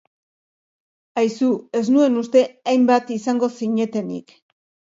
Aizu, ez nuen uste hainbat izango zinetenik.